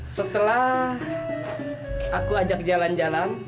setelah aku ajak jalan jalan